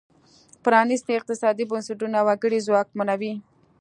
پرانیستي اقتصادي بنسټونه وګړي ځواکمنوي.